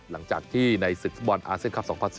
หลังจากที่ในศึกฟุตบอลอาเซียนคลับ๒๐๑๙